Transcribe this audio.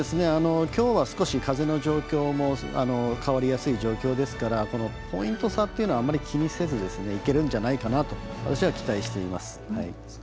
きょうは少し風の状況も変わりやすい状況ですからポイント差というのはあんまり気にせずいけるんじゃないかなと私は期待しています。